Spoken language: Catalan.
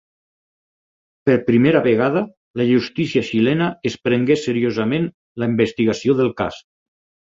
Per primera vegada la justícia xilena es prengué seriosament la investigació del cas.